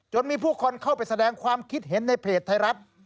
มีผู้คนเข้าไปแสดงความคิดเห็นในเพจไทยรัฐ